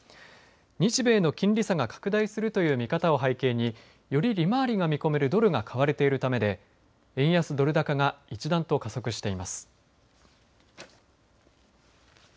日米の金利差が拡大するという見方を背景により利回りが見込めるドルが買われいるためで円安ドル高が一段と加速しています。